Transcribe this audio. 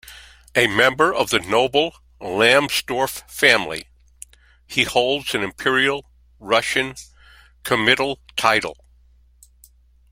A member of the noble Lambsdorff family, he holds an Imperial Russian comital title.